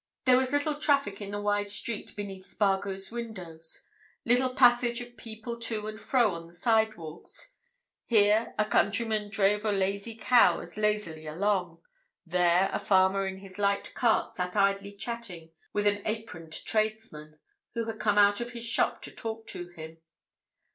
There was little traffic in the wide street beneath Spargo's windows; little passage of people to and fro on the sidewalks; here a countryman drove a lazy cow as lazily along; there a farmer in his light cart sat idly chatting with an aproned tradesman, who had come out of his shop to talk to him.